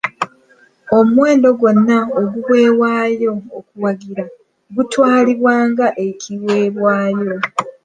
Omuwendo gwonna oguweebwayo okuwagira gutwalibwa nga ekiweebwayo.